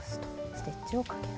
ステッチをかける。